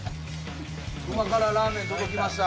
旨辛ラーメン届きました。